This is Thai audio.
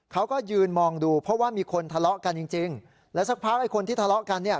เขาก็ยืนมองดูเพราะว่ามีคนทะเลาะกันจริงจริงแล้วสักพักไอ้คนที่ทะเลาะกันเนี่ย